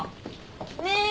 ねえ？